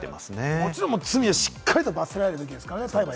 もちろん罪はしっかりと罰せられるべきです。